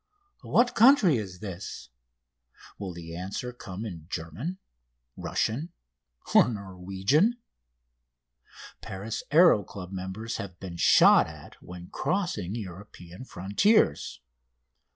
"What country is this?" Will the answer come in German, Russian, or Norwegian? Paris Aéro Club members have been shot at when crossing European frontiers.